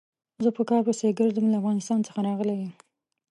زه په کار پسې ګرځم، له افغانستان څخه راغلی يم.